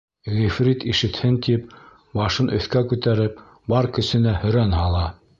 Ғифрит ишетһен тип, башын өҫкә күтәреп, бар көсөнә һөрән һала: